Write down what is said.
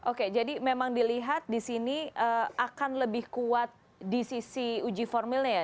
oke jadi memang dilihat di sini akan lebih kuat di sisi uji formilnya ya